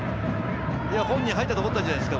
本人は入ったと思ったんじゃないですか？